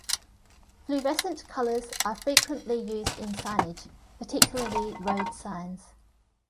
Fluorescent colors are frequently used in signage, particularly road signs.